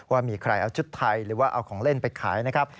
ว่ามีใครเอาชุดไทยหรือว่าเอาของเล่นไปขายนะครับ